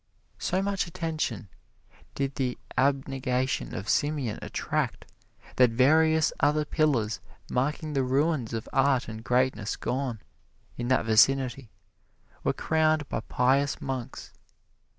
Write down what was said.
So much attention did the abnegation of Simeon attract that various other pillars, marking the ruins of art and greatness gone, in that vicinity, were crowned by pious monks.